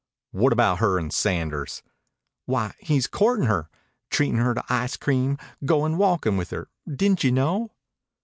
"What about her and Sanders?" "Why, he's courtin' her treatin' her to ice cream, goin' walkin' with her. Didn't you know?"